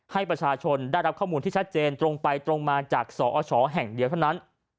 ให้ประชาชนได้รับข้อมูลที่ชัดเจนตรงไปตรงมาจากสอชแห่งเดียวเท่านั้น